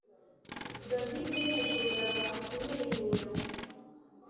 David ntiyashoboraga kumwenyura